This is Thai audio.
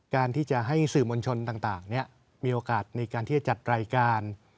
การที่จะให้สื่อมวลชนต่างมีโอกาสในการที่จะจัดรายการ